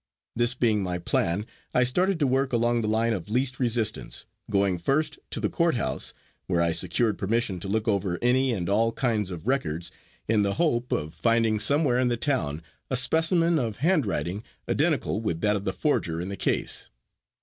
This being my plan I started to work along the line of least resistance, going first to the court house, where I secured permission to look over any and all kinds of records, in the hope of finding somewhere in the town a specimen of handwriting identical with that of the forger in the case.